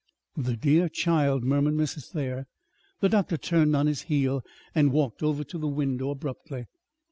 '" "The dear child!" murmured Mrs. Thayer. The doctor turned on his heel and walked over to the window abruptly.